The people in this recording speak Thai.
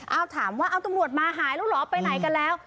เอาถามว่าเอาตำรวจมาหายแล้วเหรอไปไหนกันแล้ว